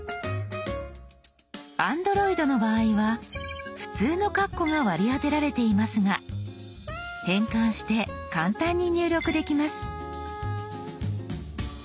Ａｎｄｒｏｉｄの場合は普通のカッコが割り当てられていますが変換して簡単に入力できます。